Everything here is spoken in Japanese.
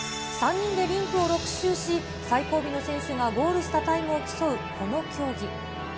３人でリンクを６周し、最後尾の選手がゴールしたタイムを競うこの競技。